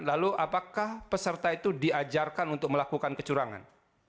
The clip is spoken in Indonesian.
lalu apakah peserta itu diajarkan untuk melakukan kecurangan